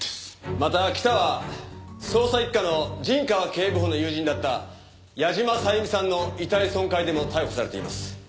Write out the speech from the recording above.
また北は捜査一課の陣川警部補の友人だった矢島さゆみさんの遺体損壊でも逮捕されています。